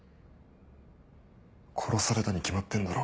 殺されたに決まってんだろ。